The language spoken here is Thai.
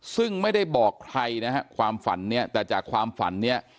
ซึ่งไม่ได้บอกใครนะฮะความฝันเนี่ยแต่จากความฝันเนี้ย